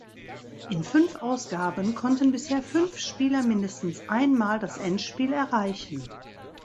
In fünf Ausgaben konnten bisher fünf Spieler mindestens ein Mal das Endspiel erreichen.